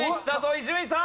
伊集院さん。